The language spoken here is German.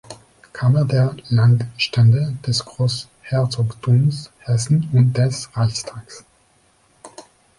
Kammer der Landstände des Großherzogtums Hessen und des Reichstags.